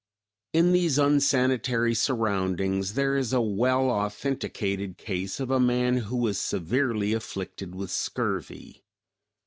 In these unsanitary surroundings there is a well authenticated case of a man who was severely afflicted with scurvy.